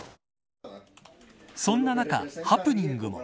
そんな中、ハプニングも。